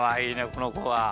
このこは。